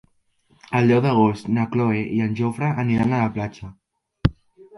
El deu d'agost na Cloè i en Jofre aniran a la platja.